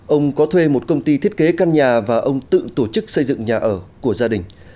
ông có thuê một công ty thiết kế căn nhà và ông tự tổ chức xây dựng nhà ở của gia đình